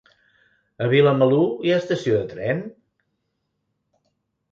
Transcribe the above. A Vilamalur hi ha estació de tren?